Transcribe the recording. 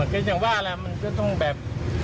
ก็ยังว่ามันก็ต้องแบบ